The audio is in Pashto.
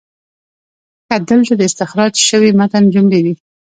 ښه، دلته د استخراج شوي متن جملې دي: